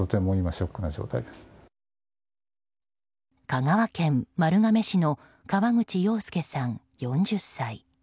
香川県丸亀市の河口洋介さん、４０歳。